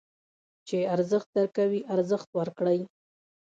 چې ارزښت درکوي، ارزښت ورکړئ.